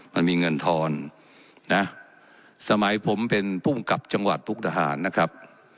มันมีเงินทอนนะสมัยผมเป็นภูมิกับจังหวัดมุกดาหารนะครับ